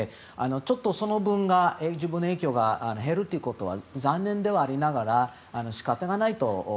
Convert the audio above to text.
ちょっとその分自分の影響が減るということは残念ではありながら仕方がないと。